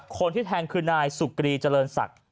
คนที่แทงคือนายสุกรีจะเรินสัก